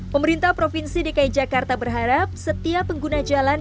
pemerintah provinsi dki jakarta berharap setiap pengguna jalan